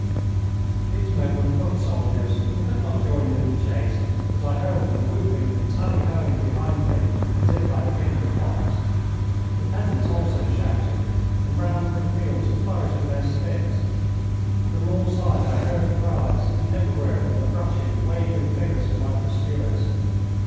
These men were foot soldiers and could not join in the chase, but I heard them whooping and tally hoing behind me as if I had been a fox. The peasants also shouted and ran through the fields flourishing their sticks. From all sides I heard cries, and everywhere were the rushing, waving figures of my pursuers.